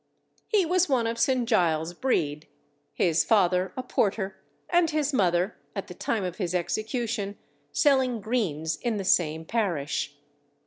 He was one of St. Giles's breed, his father a porter, and his mother, at the time of his execution selling greens in the same parish.